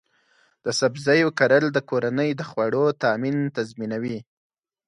د سبزیو کرل د کورنۍ د خوړو تامین تضمینوي.